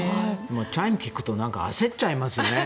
チャイムを聞くと焦っちゃいますよね。